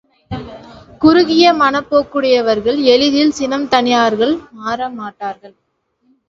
குறுகிய மனப்போக்குடையவர்கள் எளிதில் சினம் தணியார்கள் மாற மாட்டார்கள்.